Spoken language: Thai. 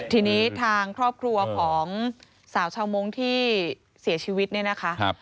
ทีนี้ทางครอบครัวของสาวชาวมงค์ที่เสียชีวิตเนี่ยนะคะ